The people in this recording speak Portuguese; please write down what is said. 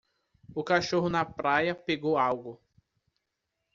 O cachorro na praia pegou algo.